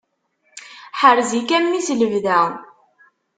Ḥerz-ik a mmi s lebda.